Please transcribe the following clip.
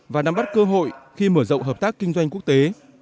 và nắm bắt cơ hội khi mở rộng hợp tác kinh doanh quốc tế